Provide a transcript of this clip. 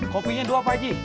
kopinya dua pak ji